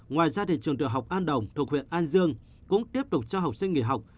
ngoài ra trường tiểu học an đồng thuộc huyện an dương cũng tiếp tục cho học sinh nghỉ học